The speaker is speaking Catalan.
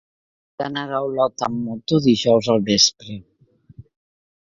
He d'anar a Olot amb moto dijous al vespre.